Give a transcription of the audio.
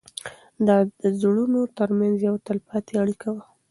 دا د زړونو تر منځ یوه تلپاتې اړیکه وه.